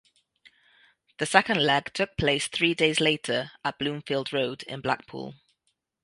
The second leg took place three days later at Bloomfield Road in Blackpool.